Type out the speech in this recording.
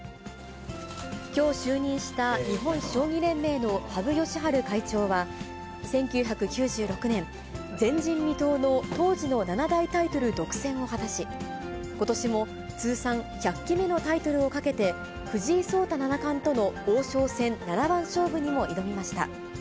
きょう就任した日本将棋連盟の羽生善治会長は、１９９６年、前人未到の当時の七大タイトル独占を果たし、ことしも通算１００期目のタイトルをかけて、藤井聡太七冠との王将戦七番勝負にも挑みました。